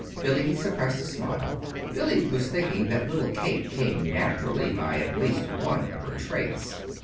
Billy suppressed a smile. Billy was thinking that little Kate came naturally by at least one of her traits.